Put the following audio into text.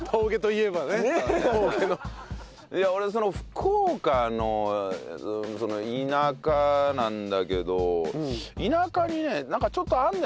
いや俺福岡の田舎なんだけど田舎にねなんかちょっとあるんだよね